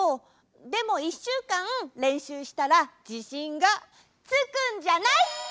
でもいっしゅうかんれんしゅうしたらじしんがつくんじゃない？